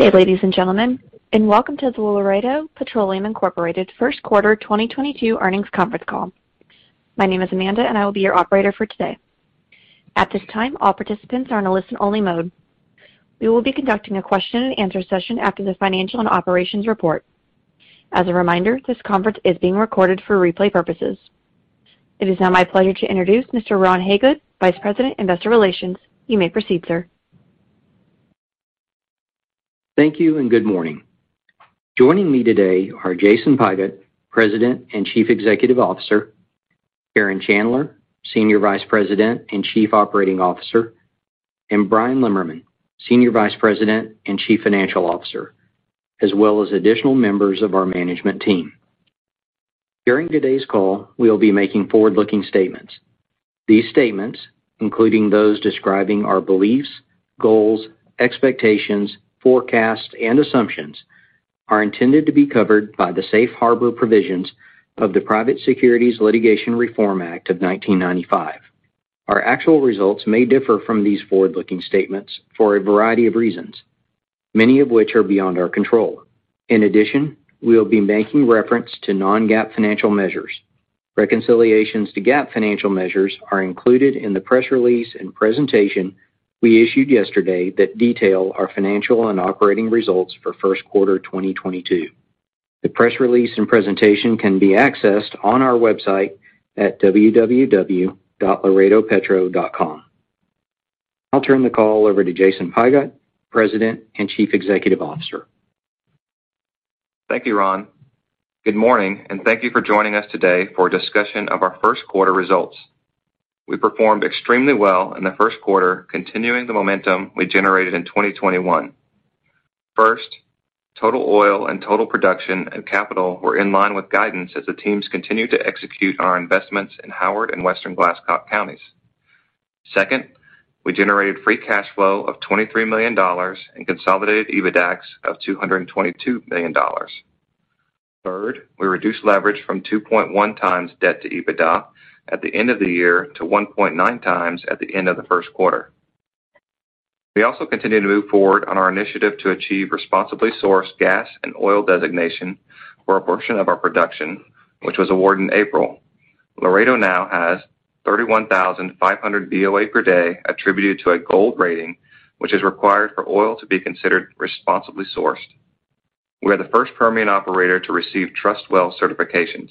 Good day, ladies and gentlemen, and welcome to the Laredo Petroleum Incorporated First Quarter 2022 earnings conference call. My name is Amanda, and I will be your operator for today. At this time, all participants are in a listen-only mode. We will be conducting a question and answer session after the financial and operations report. As a reminder, this conference is being recorded for replay purposes. It is now my pleasure to introduce Mr. Ron Hagood, Vice President, Investor Relations. You may proceed, sir. Thank you and good morning. Joining me today are Jason Pigott, President and Chief Executive Officer, Katie Hill, Senior Vice President and Chief Operating Officer, and Bryan Lemmerman, Executive Vice President and Chief Financial Officer, as well as additional members of our management team. During today's call, we'll be making forward-looking statements. These statements, including those describing our beliefs, goals, expectations, forecasts, and assumptions, are intended to be covered by the safe harbor provisions of the Private Securities Litigation Reform Act of 1995. Our actual results may differ from these forward-looking statements for a variety of reasons, many of which are beyond our control. In addition, we'll be making reference to non-GAAP financial measures. Reconciliations to GAAP financial measures are included in the press release and presentation we issued yesterday that detail our financial and operating results for first quarter 2022. The press release and presentation can be accessed on our website at www.laredopetro.com. I'll turn the call over to Jason Pigott, President and Chief Executive Officer. Thank you, Ron. Good morning, and thank you for joining us today for a discussion of our first quarter results. We performed extremely well in the first quarter, continuing the momentum we generated in 2021. First, total oil and total production and capital were in line with guidance as the teams continued to execute our investments in Howard and Western Glasscock counties. Second, we generated free cash flow of $23 million and consolidated EBITDAX of $222 million. Third, we reduced leverage from 2.1x debt-to-EBITDA at the end of the year to 1.9x at the end of the first quarter. We also continued to move forward on our initiative to achieve responsibly sourced gas and oil designation for a portion of our production, which was awarded in April. Vital Energy now has 31,500 BOE per day attributed to a Gold rating, which is required for oil to be considered responsibly sourced. We are the first Permian operator to receive TrustWell certifications.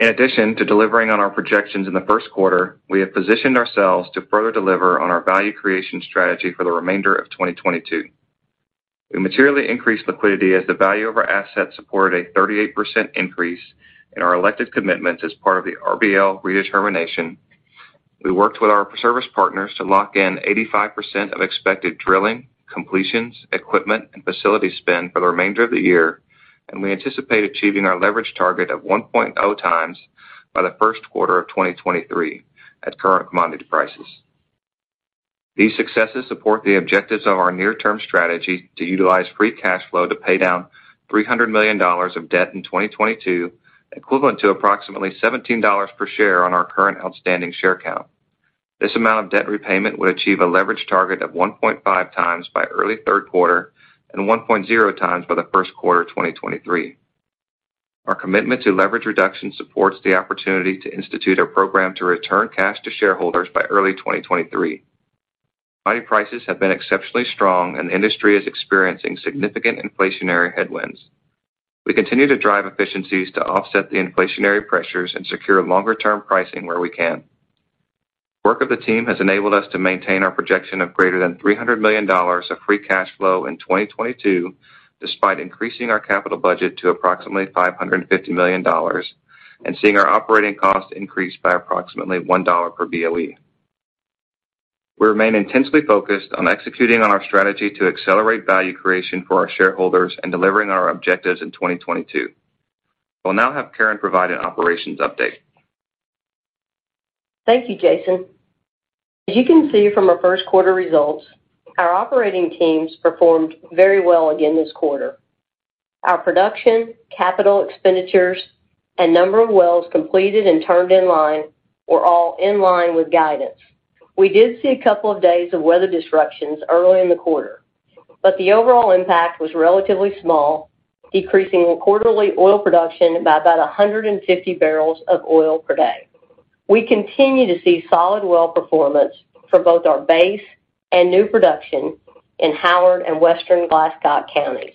In addition to delivering on our projections in the first quarter, we have positioned ourselves to further deliver on our value creation strategy for the remainder of 2022. We materially increased liquidity as the value of our assets supported a 38% increase in our elected commitments as part of the RBL redetermination. We worked with our service partners to lock in 85% of expected drilling, completions, equipment, and facility spend for the remainder of the year, and we anticipate achieving our leverage target of 1.0x by the first quarter of 2023 at current commodity prices. These successes support the objectives of our near-term strategy to utilize free cash flow to pay down $300 million of debt in 2022, equivalent to approximately $17 per share on our current outstanding share count. This amount of debt repayment would achieve a leverage target of 1.5x by early third quarter and 1.0x by the first quarter of 2023. Our commitment to leverage reduction supports the opportunity to institute a program to return cash to shareholders by early 2023. Oil prices have been exceptionally strong, and the industry is experiencing significant inflationary headwinds. We continue to drive efficiencies to offset the inflationary pressures and secure longer-term pricing where we can. Work of the team has enabled us to maintain our projection of greater than $300 million of free cash flow in 2022, despite increasing our capital budget to approximately $550 million and seeing our operating costs increase by approximately $1 per BOE. We remain intensely focused on executing on our strategy to accelerate value creation for our shareholders and delivering our objectives in 2022. We'll now have Katie Hill provide an operations update. Thank you, Jason. As you can see from our first quarter results, our operating teams performed very well again this quarter. Our production, capital expenditures, and number of wells completed and turned in line were all in line with guidance. We did see a couple of days of weather disruptions early in the quarter, but the overall impact was relatively small, decreasing quarterly oil production by about 150 barrels of oil per day. We continue to see solid well performance for both our base and new production in Howard and Western Glasscock counties.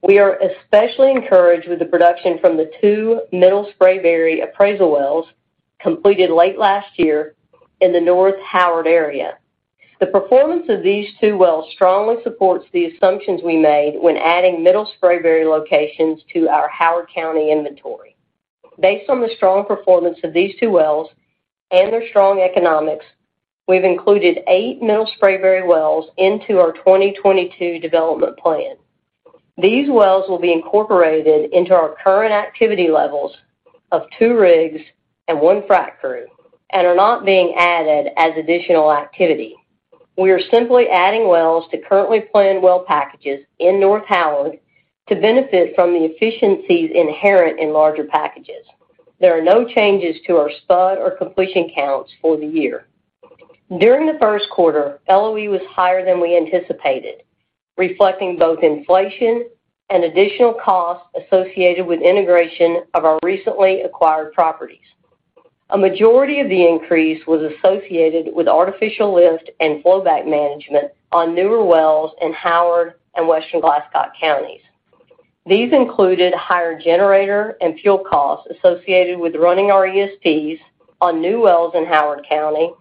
We are especially encouraged with the production from the two Middle Spraberry appraisal wells completed late last year in the North Howard area. The performance of these two wells strongly supports the assumptions we made when adding Middle Spraberry locations to our Howard County inventory. Based on the strong performance of these two wells and their strong economics, we've included eight Middle Spraberry wells into our 2022 development plan. These wells will be incorporated into our current activity levels of two rigs and one frac crew and are not being added as additional activity. We are simply adding wells to currently planned well packages in North Howard to benefit from the efficiencies inherent in larger packages. There are no changes to our spud or completion counts for the year. During the first quarter, LOE was higher than we anticipated, reflecting both inflation and additional costs associated with integration of our recently acquired properties. A majority of the increase was associated with artificial lift and flowback management on newer wells in Howard and Western Glasscock counties. These included higher generator and fuel costs associated with running our ESPs on new wells in Howard County,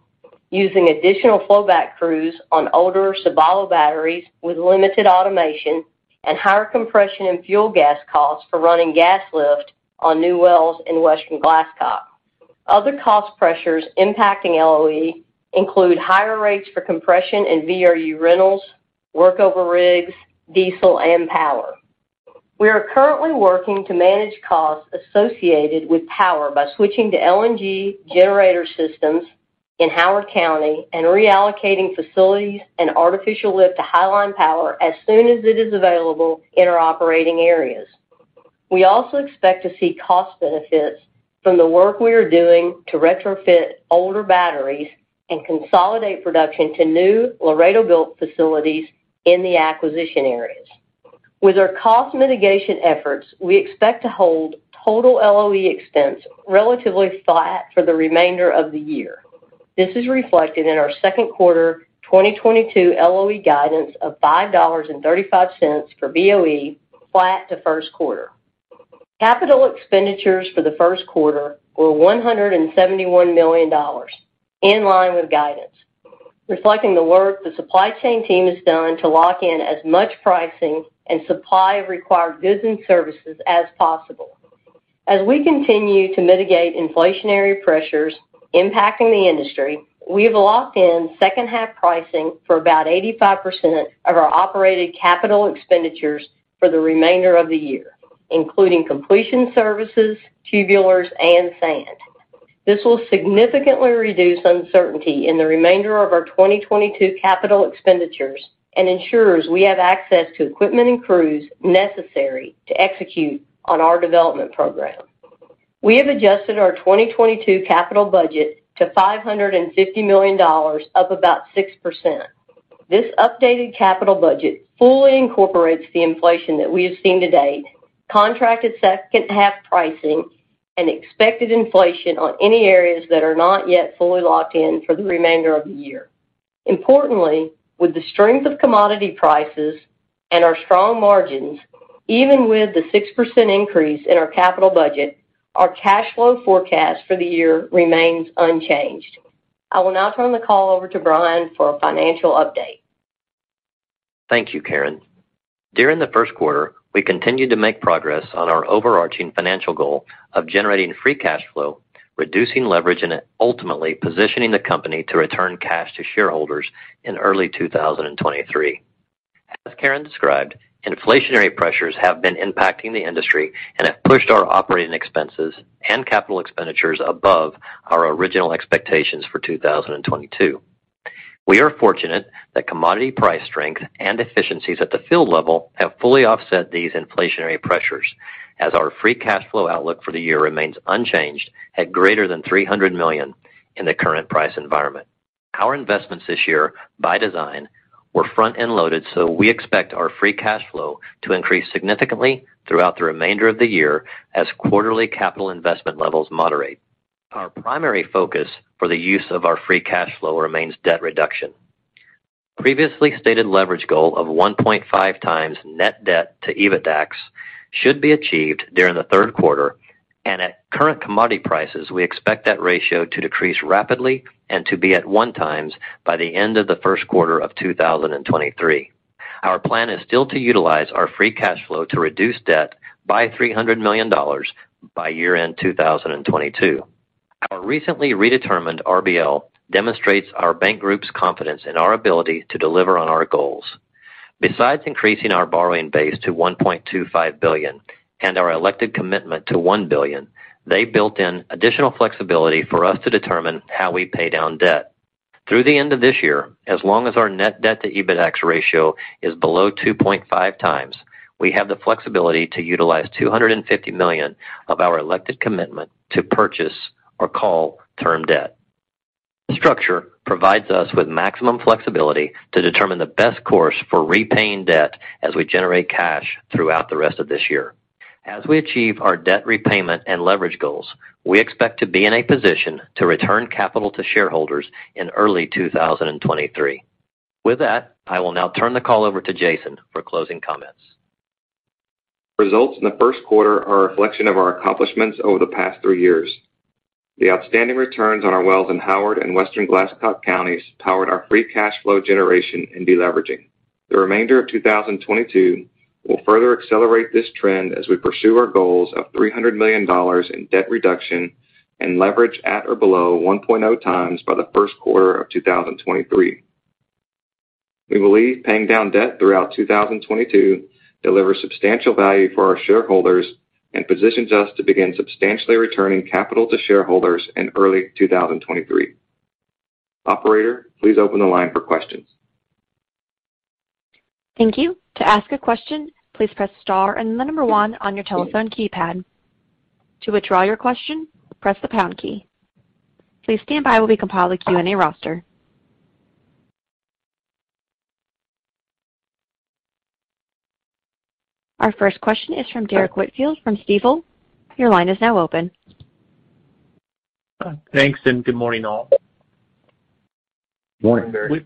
using additional flowback crews on older Sabalo batteries with limited automation and higher compression and fuel gas costs for running gas lift on new wells in Western Glasscock. Other cost pressures impacting LOE include higher rates for compression and VRU rentals, workover rigs, diesel and power. We are currently working to manage costs associated with power by switching to LNG generator systems in Howard County and reallocating facilities and artificial lift to Highline Power as soon as it is available in our operating areas. We also expect to see cost benefits from the work we are doing to retrofit older batteries and consolidate production to new Laredo-built facilities in the acquisition areas. With our cost mitigation efforts, we expect to hold total LOE expense relatively flat for the remainder of the year. This is reflected in our second quarter 2022 LOE guidance of $5.35 per BOE, flat to first quarter. Capital expenditures for the first quarter were $171 million, in line with guidance, reflecting the work the supply chain team has done to lock in as much pricing and supply of required goods and services as possible. As we continue to mitigate inflationary pressures impacting the industry, we have locked in second-half pricing for about 85% of our operated capital expenditures for the remainder of the year, including completion services, tubulars and sand. This will significantly reduce uncertainty in the remainder of our 2022 capital expenditures and ensures we have access to equipment and crews necessary to execute on our development program. We have adjusted our 2022 capital budget to $550 million, up about 6%. This updated capital budget fully incorporates the inflation that we have seen to date, contracted second-half pricing, and expected inflation on any areas that are not yet fully locked in for the remainder of the year. Importantly, with the strength of commodity prices and our strong margins, even with the 6% increase in our capital budget, our cash flow forecast for the year remains unchanged. I will now turn the call over to Bryan Lemmerman for a financial update. Thank you, Katie. During the first quarter, we continued to make progress on our overarching financial goal of generating free cash flow, reducing leverage, and ultimately positioning the company to return cash to shareholders in early 2023. As Katie described, inflationary pressures have been impacting the industry and have pushed our operating expenses and capital expenditures above our original expectations for 2022. We are fortunate that commodity price strength and efficiencies at the field level have fully offset these inflationary pressures as our free cash flow outlook for the year remains unchanged at greater than $300 million in the current price environment. Our investments this year, by design, were front-end loaded, so we expect our free cash flow to increase significantly throughout the remainder of the year as quarterly capital investment levels moderate. Our primary focus for the use of our free cash flow remains debt reduction. Previously stated leverage goal of 1.5x net debt-to-EBITDAX should be achieved during the third quarter. At current commodity prices, we expect that ratio to decrease rapidly and to be at 1x by the end of the first quarter of 2023. Our plan is still to utilize our free cash flow to reduce debt by $300 million by year-end 2022. Our recently redetermined RBL demonstrates our bank group's confidence in our ability to deliver on our goals. Besides increasing our borrowing base to $1.25 billion and our elected commitment to $1 billion, they built in additional flexibility for us to determine how we pay down debt. Through the end of this year, as long as our net debt-to-EBITDAX ratio is below 2.5x, we have the flexibility to utilize $250 million of our elected commitment to purchase or call term debt. Structure provides us with maximum flexibility to determine the best course for repaying debt as we generate cash throughout the rest of this year. As we achieve our debt repayment and leverage goals, we expect to be in a position to return capital to shareholders in early 2023. With that, I will now turn the call over to Jason for closing comments. Results in the first quarter are a reflection of our accomplishments over the past three years. The outstanding returns on our wells in Howard and Western Glasscock counties powered our free cash flow generation and deleveraging. The remainder of 2022 will further accelerate this trend as we pursue our goals of $300 million in debt reduction and leverage at or below 1.0x by the first quarter of 2023. We believe paying down debt throughout 2022 delivers substantial value for our shareholders and positions us to begin substantially returning capital to shareholders in early 2023. Operator, please open the line for questions. Thank you. To ask a question, please press star and the number one on your telephone keypad. To withdraw your question, press the pound key. Please stand by while we compile the Q&A roster. Our first question is from Derrick Whitfield from Stifel. Your line is now open. Thanks, and good morning, all. Morning, Derrick.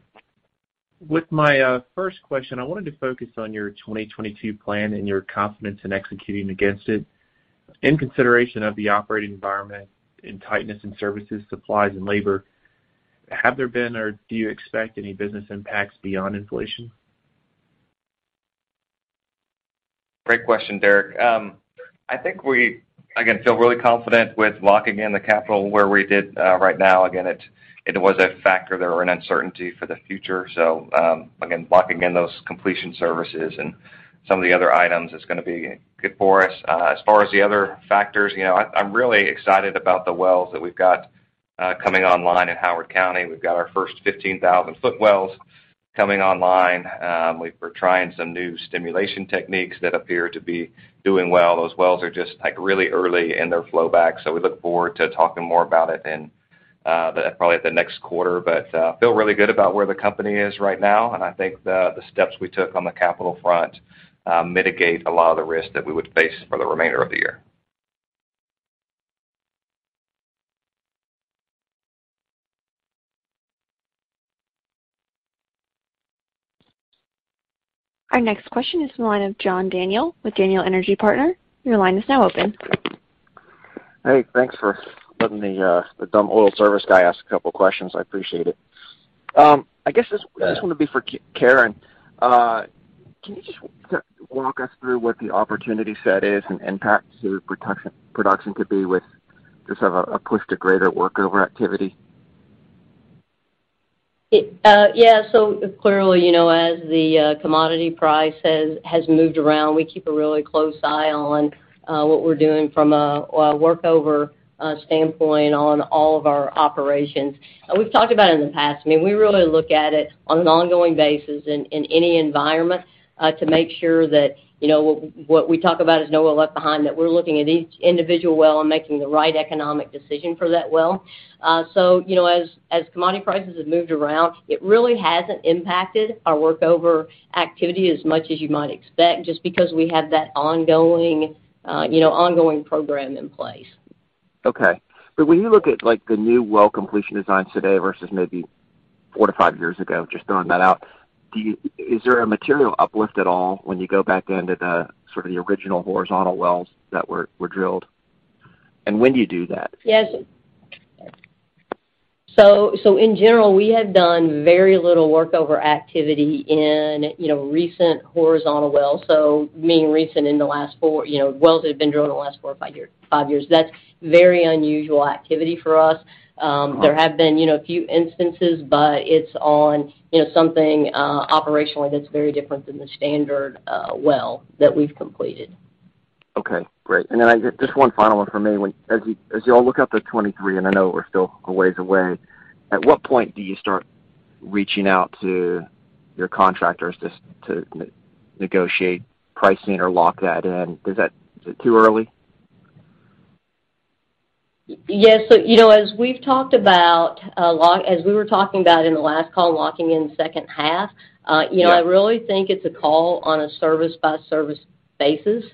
With my first question, I wanted to focus on your 2022 plan and your confidence in executing against it. In consideration of the operating environment and tightness in services, supplies and labor, have there been or do you expect any business impacts beyond inflation? Great question, Derrick. I think we, again, feel really confident with locking in the capital where we did, right now. Again, it was a factor that were an uncertainty for the future. Again, locking in those completion services and some of the other items is gonna be good for us. As far as the other factors, you know, I'm really excited about the wells that we've got coming online in Howard County. We've got our first 15,000-ft wells coming online. We're trying some new stimulation techniques that appear to be doing well. Those wells are just, like, really early in their flowback, so we look forward to talking more about it in probably at the next quarter. Feel really good about where the company is right now, and I think the steps we took on the capital front mitigate a lot of the risks that we would face for the remainder of the year. Our next question is in the line of John Daniel with Daniel Energy Partners. Your line is now open. Hey, thanks for letting the dumb oil service guy ask a couple questions. I appreciate it. I guess this- Yeah. This one would be for Katie Hill. Can you just walk us through what the opportunity set is and impacts to production could be with just a push to greater workover activity? Clearly, you know, as the commodity price has moved around, we keep a really close eye on what we're doing from a workover standpoint on all of our operations. We've talked about it in the past. I mean, we really look at it on an ongoing basis in any environment to make sure that, you know, what we talk about is no well left behind, that we're looking at each individual well and making the right economic decision for that well. You know, as commodity prices have moved around, it really hasn't impacted our workover activity as much as you might expect, just because we have that ongoing, you know, ongoing program in place. Okay. When you look at, like, the new well completion designs today versus maybe four to five years ago, just throwing that out, is there a material uplift at all when you go back then to the sort of the original horizontal wells that were drilled? When do you do that? Yes. In general, we have done very little workover activity in, you know, recent horizontal wells. Meaning recent in the last four or five years. You know, wells that have been drilled in the last four to five years. That's very unusual activity for us. There have been, you know, a few instances, but it's on, you know, something operationally that's very different than the standard well that we've completed. Okay, great. Just one final one from me. As you all look out to 2023, and I know we're still a ways away, at what point do you start reaching out to your contractors just to negotiate pricing or lock that in? Is that too early? Yes. You know, as we were talking about in the last call, locking in second half, you know- Yeah. I really think it's a call on a service-by-service basis.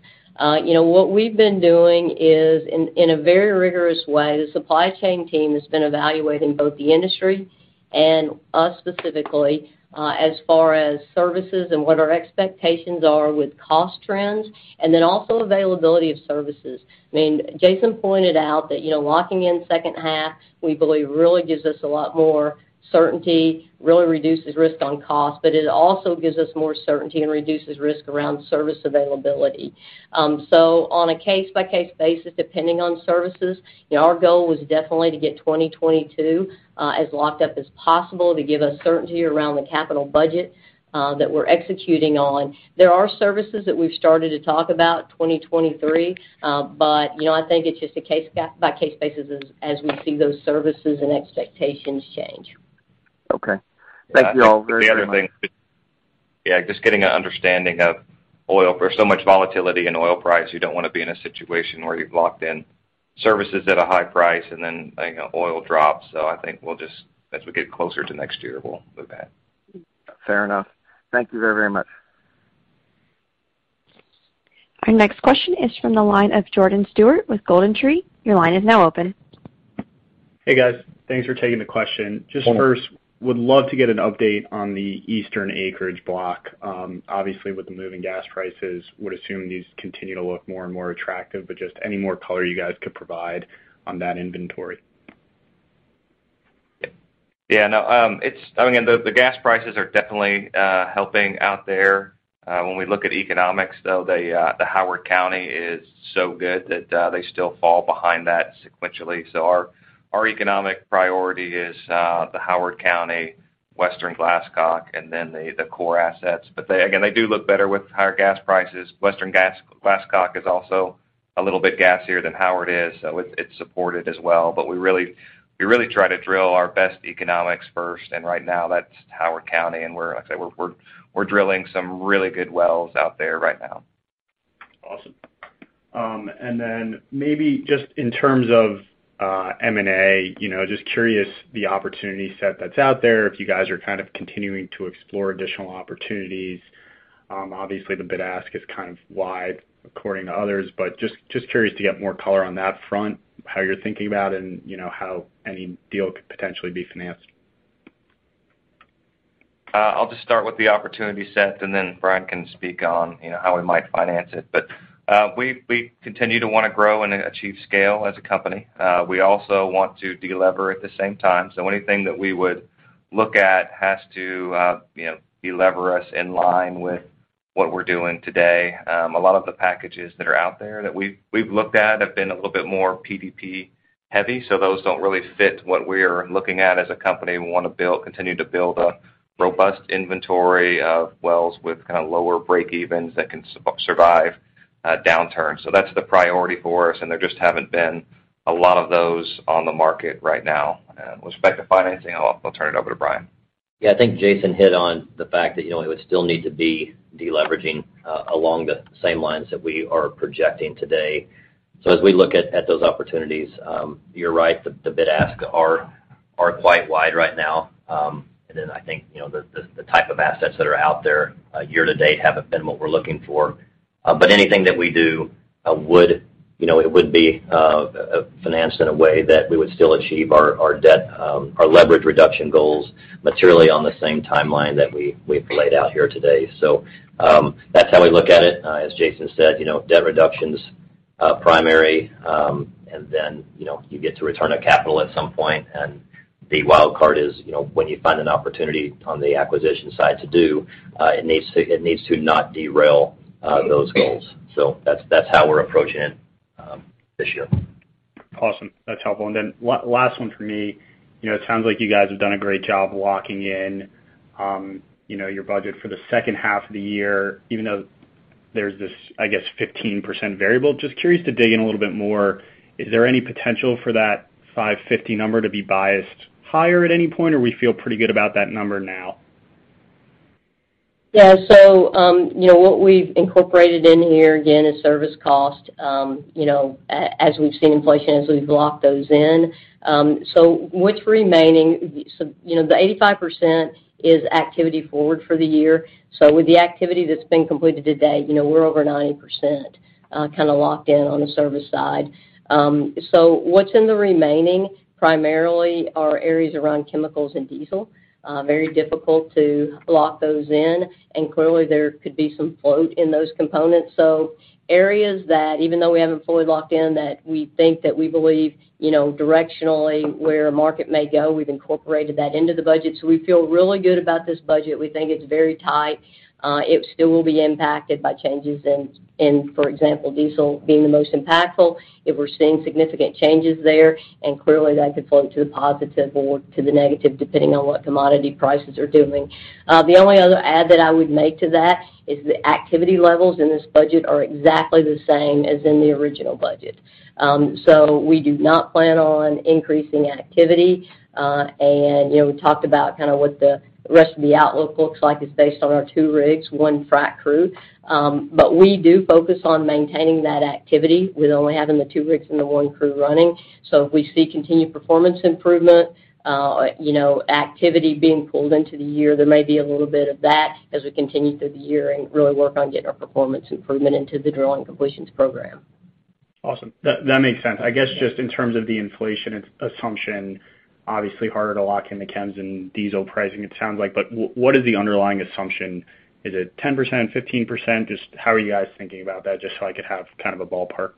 You know, what we've been doing is, in a very rigorous way, the supply chain team has been evaluating both the industry and us specifically, as far as services and what our expectations are with cost trends and then also availability of services. I mean, Jason pointed out that, you know, locking in second half, we believe, really gives us a lot more certainty, really reduces risk on cost, but it also gives us more certainty and reduces risk around service availability. On a case-by-case basis, depending on services, you know, our goal was definitely to get 2022 as locked up as possible to give us certainty around the capital budget that we're executing on. There are services that we've started to talk about 2023, but you know, I think it's just a case-by-case basis as we see those services and expectations change. Okay. Thank you all very, very much. The other thing, yeah, just getting an understanding of oil. There's so much volatility in oil price. You don't wanna be in a situation where you've locked in services at a high price and then, you know, oil drops. I think we'll just, as we get closer to next year, we'll look at that. Fair enough. Thank you very, very much. Our next question is from the line of Jordan Stuart with GoldenTree. Your line is now open. Hey, guys. Thanks for taking the question. Hello. Just first, would love to get an update on the Eastern acreage block. Obviously, with the moving gas prices, would assume these continue to look more and more attractive, but just any more color you guys could provide on that inventory? Yeah. No, I mean, the gas prices are definitely helping out there. When we look at economics, though, the Howard County is so good that they still fall behind that sequentially. Our economic priority is the Howard County, Western Glasscock, and then the core assets. They again do look better with higher gas prices. Western Glasscock is also a little bit gassier than Howard is, so it's supported as well. We really try to drill our best economics first, and right now that's Howard County, and like I said, we're drilling some really good wells out there right now. Awesome. Maybe just in terms of M&A, you know, just curious the opportunity set that's out there, if you guys are kind of continuing to explore additional opportunities. Obviously, the bid-ask is kind of wide according to others, but just curious to get more color on that front, how you're thinking about and, you know, how any deal could potentially be financed. I'll just start with the opportunity set, and then Bryan can speak on, you know, how we might finance it. We continue to wanna grow and achieve scale as a company. We also want to delever at the same time. Anything that we would look at has to, you know, delever us in line with what we're doing today. A lot of the packages that are out there that we've looked at have been a little bit more PDP heavy, so those don't really fit what we're looking at as a company. We wanna continue to build a robust inventory of wells with kinda lower breakevens that can survive a downturn. That's the priority for us, and there just haven't been a lot of those on the market right now. With respect to financing, I'll turn it over to Bryan. Yeah. I think Jason hit on the fact that, you know, we would still need to be deleveraging along the same lines that we are projecting today. As we look at those opportunities, you're right, the bid-ask are quite wide right now. I think, you know, the type of assets that are out there year to date haven't been what we're looking for. Anything that we do would be financed in a way that we would still achieve our debt our leverage reduction goals materially on the same timeline that we've laid out here today. That's how we look at it. As Jason said, you know, debt reduction's primary, and then, you know, you get to return a capital at some point, and the wild card is, you know, when you find an opportunity on the acquisition side to do, it needs to not derail those goals. That's how we're approaching it this year. Awesome. That's helpful. Last one for me. You know, it sounds like you guys have done a great job locking in, you know, your budget for the second half of the year, even though there's this, I guess, 15% variable. Just curious to dig in a little bit more, is there any potential for that 550 number to be biased higher at any point, or we feel pretty good about that number now? Yeah. You know, what we've incorporated in here, again, is service cost, you know, as we've seen inflation, as we've locked those in. What's remaining, you know, the 85% is activity forward for the year. With the activity that's been completed today, you know, we're over 90%, kinda locked in on the service side. What's in the remaining primarily are areas around chemicals and diesel. Very difficult to lock those in, and clearly, there could be some float in those components. Areas that even though we haven't fully locked in, that we believe, you know, directionally where a market may go, we've incorporated that into the budget. We feel really good about this budget. We think it's very tight. It still will be impacted by changes in, for example, diesel being the most impactful if we're seeing significant changes there. Clearly, that could float to the positive or to the negative, depending on what commodity prices are doing. The only other add that I would make to that is the activity levels in this budget are exactly the same as in the original budget. We do not plan on increasing activity. You know, we talked about kind of what the rest of the outlook looks like. It's based on our two rigs, one frac crew. We do focus on maintaining that activity with only having the two rigs and the one crew running. If we see continued performance improvement, you know, activity being pulled into the year, there may be a little bit of that as we continue through the year and really work on getting our performance improvement into the drill and completions program. Awesome. That makes sense. I guess, just in terms of the inflation assumption, obviously harder to lock in the chems and diesel pricing, it sounds like. What is the underlying assumption? Is it 10%, 15%? Just how are you guys thinking about that, just so I could have kind of a ballpark?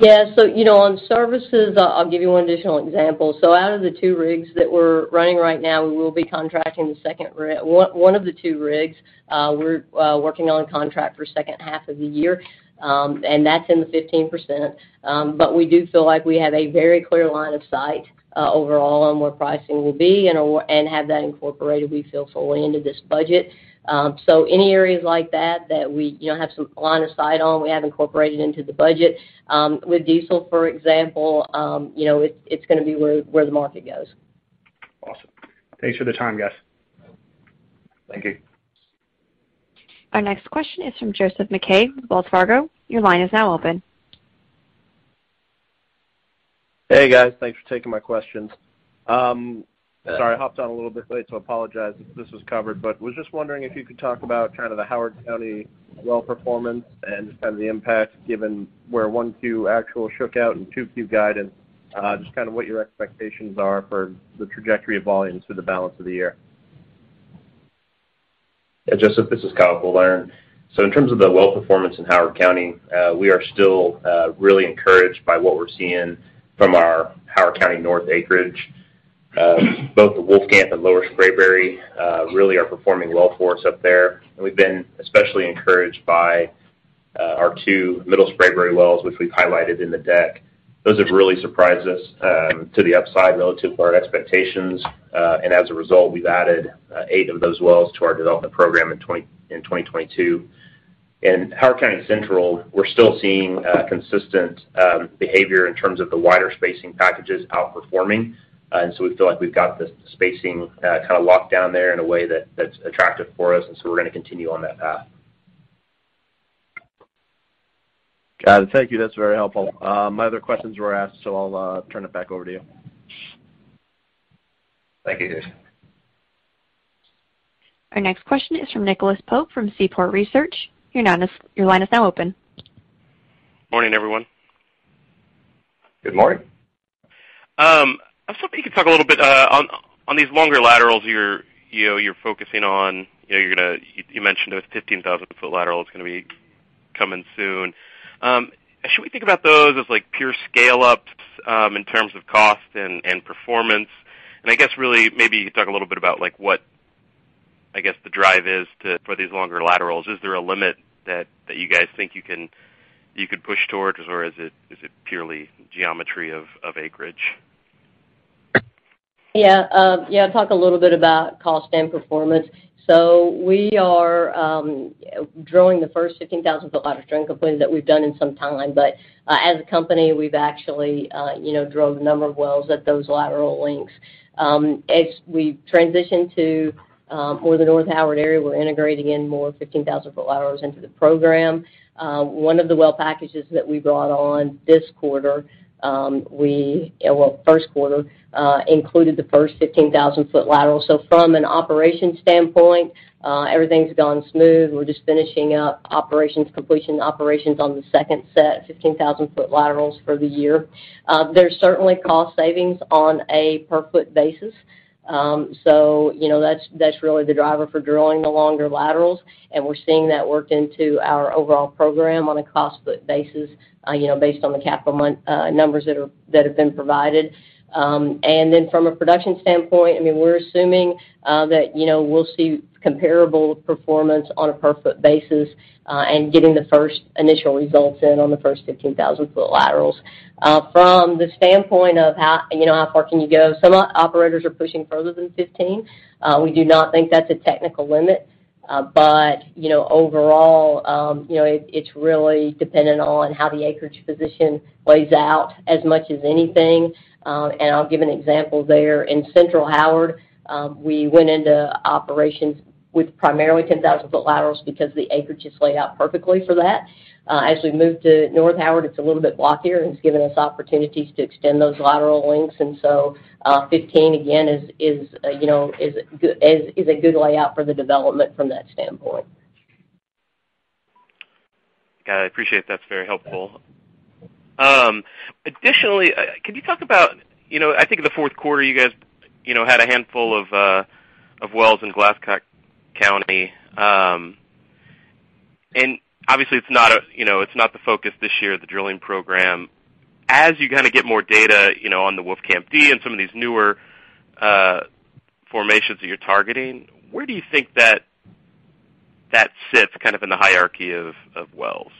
Yeah. You know, on services, I'll give you one additional example. Out of the two rigs that we're running right now, we will be contracting one of the two rigs. We're working on a contract for second half of the year, and that's in the 15%. But we do feel like we have a very clear line of sight overall on where pricing will be and have that incorporated, we feel, fully into this budget. Any areas like that that we you know have some line of sight on, we have incorporated into the budget. With diesel, for example, you know, it's gonna be where the market goes. Awesome. Thanks for the time, guys. Thank you. Our next question is from Joseph McKay with Wells Fargo. Your line is now open. Hey, guys. Thanks for taking my questions. Sorry, I hopped on a little bit late, so apologize if this was covered, but was just wondering if you could talk about kind of the Howard County well performance and just kind of the impact given where 1Q actual shook out and 2Q guidance, just kind of what your expectations are for the trajectory of volumes for the balance of the year. Yeah, Joseph, this is Kyle Coldiron. In terms of the well performance in Howard County, we are still really encouraged by what we're seeing from our Howard County North acreage. Both the Wolfcamp and Lower Spraberry really are performing well for us up there. We've been especially encouraged by our two Middle Spraberry wells, which we've highlighted in the deck. Those have really surprised us to the upside relative to our expectations. As a result, we've added eight of those wells to our development program in 2022. In Howard County Central, we're still seeing consistent behavior in terms of the wider spacing packages outperforming. We feel like we've got the spacing kinda locked down there in a way that's attractive for us, and we're gonna continue on that path. Got it. Thank you. That's very helpful. My other questions were asked, so I'll turn it back over to you. Thank you, Jason. Our next question is from Nicholas Pope from Seaport Research Partners. Your line is now open. Morning, everyone. Good morning. I was hoping you could talk a little bit on these longer laterals you're, you know, you're focusing on. You know, you mentioned those 15,000-ft lateral is gonna be coming soon. Should we think about those as, like, pure scale-ups in terms of cost and performance? I guess, really, maybe you could talk a little bit about, like, what the drive is to for these longer laterals. Is there a limit that you guys think you could push towards? Or is it purely geometry of acreage? Yeah. Yeah, I'll talk a little bit about cost and performance. We are drawing the first 15,000-ft lateral string component that we've done in some time. As a company, we've actually, you know, drove a number of wells at those lateral lengths. As we transition to more the North Howard area, we're integrating in more 15,000-ft laterals into the program. One of the well packages that we brought on this quarter, well, first quarter, included the first 15,000-ft lateral. From an operations standpoint, everything's gone smooth. We're just finishing up operations, completion operations on the second set, 15,000-ft laterals for the year. There's certainly cost savings on a per-foot basis. You know, that's really the driver for drilling the longer laterals, and we're seeing that work into our overall program on a cost per-foot basis, you know, based on the capital numbers that have been provided. From a production standpoint, I mean, we're assuming that, you know, we'll see comparable performance on a per-foot basis, and getting the first initial results in on the first 15,000-ft laterals. From the standpoint of how, you know, how far can you go, some operators are pushing further than 15. We do not think that's a technical limit. You know, overall, you know, it's really dependent on how the acreage position plays out as much as anything. I'll give an example there. In Central Howard, we went into operations with primarily 10,000-ft laterals because the acreage is laid out perfectly for that. As we move to North Howard, it's a little bit blockier, and it's given us opportunities to extend those lateral lengths. 15, again, is, you know, a good layout for the development from that standpoint. Got it. I appreciate it. That's very helpful. Additionally, could you talk about, you know, I think in the fourth quarter, you guys, you know, had a handful of wells in Glasscock County. Obviously, it's not a, you know, it's not the focus this year, the drilling program. As you kinda get more data, you know, on the Wolfcamp D and some of these newer formations that you're targeting, where do you think that sits kind of in the hierarchy of wells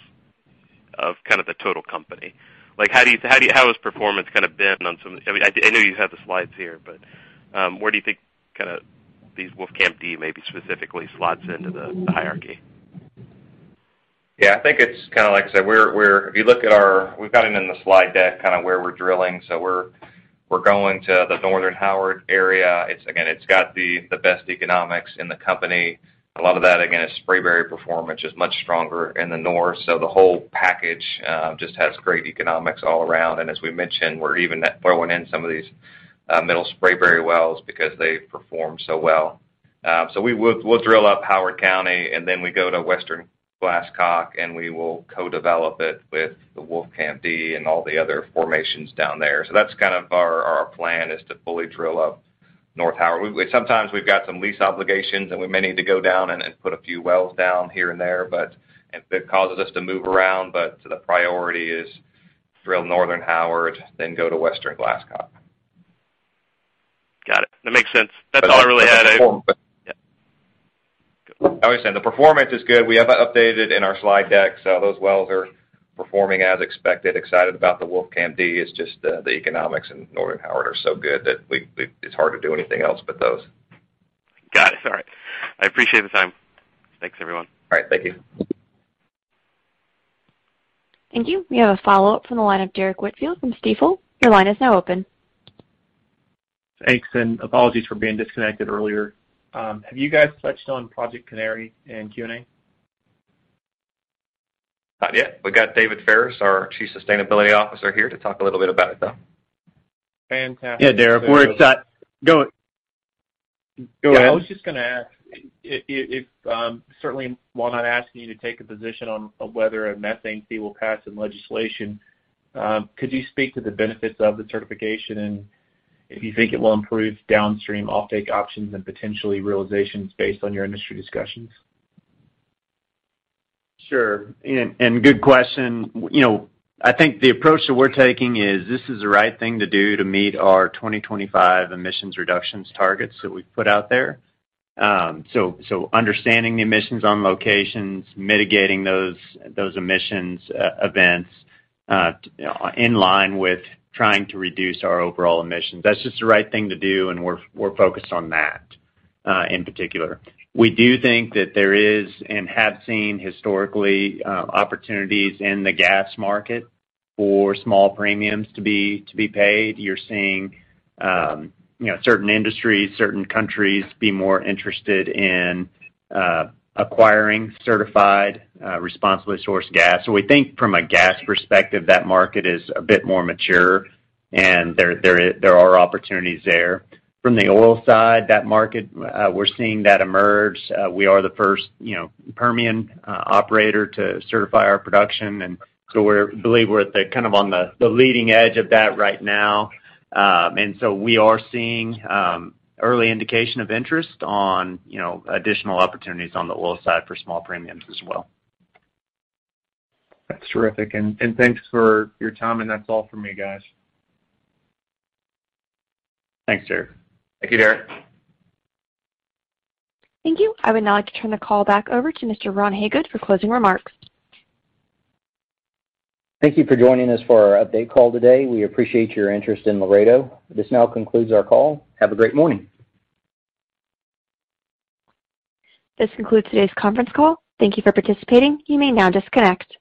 of kind of the total company? Like, how has performance kinda been? I mean, I do know you have the slides here, but where do you think kinda these Wolfcamp D maybe specifically slots into the hierarchy? Yeah. I think it's kinda like I said, we've got it in the slide deck kinda where we're drilling. We're going to the Northern Howard area. It's again got the best economics in the company. A lot of that again is Spraberry performance is much stronger in the north, so the whole package just has great economics all around. As we mentioned, we're even throwing in some of these Middle Spraberry wells because they perform so well. We'll drill up Howard County, and then we go to Western Glasscock, and we will co-develop it with the Wolfcamp D and all the other formations down there. That's kind of our plan is to fully drill up North Howard. Sometimes we've got some lease obligations, and we may need to go down and put a few wells down here and there, but it causes us to move around, but the priority is drill Northern Howard, then go to Western Glasscock. Got it. That makes sense. That's all I really had. The performance- Yeah. I would say the performance is good. We have it updated in our slide deck. Those wells are performing as expected. Excited about the Wolfcamp D. It's just, the economics in Northern Howard are so good that it's hard to do anything else but those. Got it. All right. I appreciate the time. Thanks, everyone. All right. Thank you. Thank you. We have a follow-up from the line of Derrick Whitfield from Stifel. Your line is now open. Thanks, and apologies for being disconnected earlier. Have you guys touched on Project Canary in Q&A? Not yet. We've got David Ferris, our Chief Sustainability Officer, here to talk a little bit about it, though. Fantastic. Yeah, Derrick, go ahead. Yeah, I was just gonna ask if, certainly while not asking you to take a position on whether a methane fee will pass in legislation, could you speak to the benefits of the certification and if you think it will improve downstream offtake options and potentially realizations based on your industry discussions? Sure. Good question. You know, I think the approach that we're taking is this is the right thing to do to meet our 2025 emissions reductions targets that we've put out there. Understanding the emissions on locations, mitigating those emissions events in line with trying to reduce our overall emissions. That's just the right thing to do, and we're focused on that in particular. We do think that there is, and have seen historically, opportunities in the gas market for small premiums to be paid. You're seeing, you know, certain industries, certain countries be more interested in acquiring certified responsibly sourced gas. We think from a gas perspective, that market is a bit more mature, and there are opportunities there. From the oil side, that market, we're seeing that emerge. We are the first, you know, Permian operator to certify our production, and so believe we're at the, kind of on the leading edge of that right now. We are seeing early indication of interest on, you know, additional opportunities on the oil side for small premiums as well. That's terrific. Thanks for your time, and that's all for me, guys. Thanks, Derrick. Thank you, Derrick. Thank you. I would now like to turn the call back over to Mr. Ron Hagood for closing remarks. Thank you for joining us for our update call today. We appreciate your interest in Laredo. This now concludes our call. Have a great morning. This concludes today's conference call. Thank you for participating. You may now disconnect.